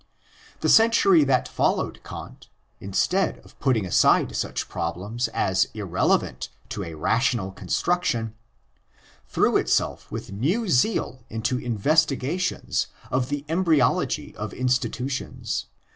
The century that followed Kant, instead of putting aside such problems as irrelevant to a rational construction, threw itself with new zeal into investigations of the embryology of institutions.